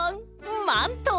マント！